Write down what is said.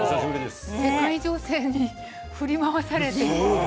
世界情勢に振り回されて。